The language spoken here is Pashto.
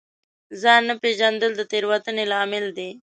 ځان نه پېژندل د تېروتنې لامل دی.